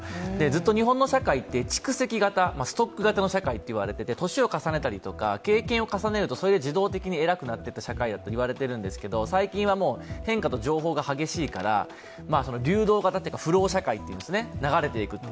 ずっと日本の社会って蓄積型、ストック型の社会と言われていて、歳を重ねて経験を重ねると自動的に偉くなると言われていたんですけど最近は変化と情報が激しいから流動型というか、フロー社会、流れていくと。